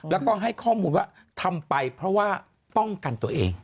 แล้วก็ให้ข้อมูลว่าทำไปเพราะว่าป้องกันตัวเอง